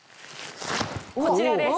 こちらです。